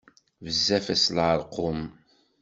Bezzaf-as leṛqum.